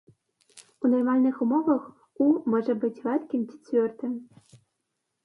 У нармальных умовах у можа быць вадкім ці цвёрдым.